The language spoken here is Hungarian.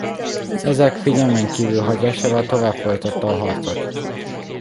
Ezek figyelmen kívül hagyásával tovább folytatta a harcot.